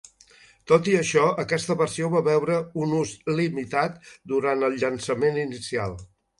Tot i això, aquesta versió va veure un ús limitat durant el llançament inicial.